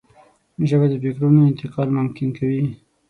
ژبه د فکرونو انتقال ممکن کوي